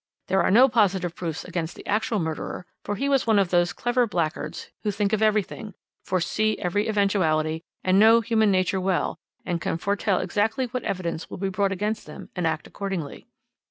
There are no positive proofs against the actual murderer, for he was one of those clever blackguards who think of everything, foresee every eventuality, who know human nature well, and can foretell exactly what evidence will be brought against them, and act accordingly.